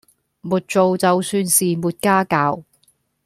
沒做就算是沒家教